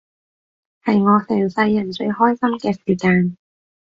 係我成世人最開心嘅時間